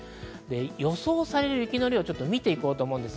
予想される雪の量を見ていきます。